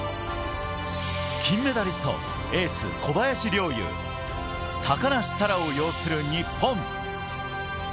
金メダリスト、エース・小林陵侑、高梨沙羅を擁する日本。